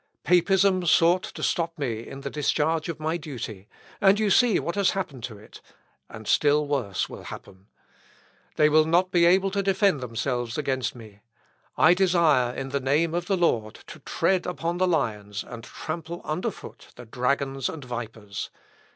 Papism sought to stop me in the discharge of my duty, and you see what has happened to it; and still worse will happen. They will not be able to defend themselves against me. I desire, in the name of the Lord, to tread upon the lions, and trample under foot the dragons and vipers.